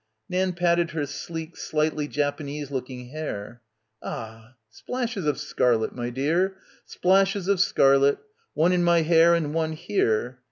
Nan patted her sleek slightly Japanese looking hair. "Ah ... splashes of scarlet, my dear. Splashes of scarlet. One in my hair and one here."